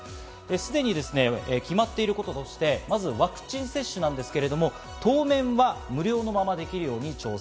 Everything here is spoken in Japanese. すでに決まってる事として、まずワクチン接種なんですけれども、当面は無料のままできるように調整。